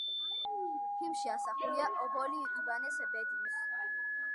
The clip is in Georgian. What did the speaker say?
ფილმში ასახულია ობოლი ივანეს ბედი მეორე მსოფლიო ომის დროს.